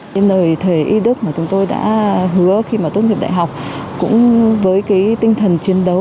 trên nơi thề y đức mà chúng tôi đã hứa khi tốt nghiệp đại học cũng với tinh thần chiến đấu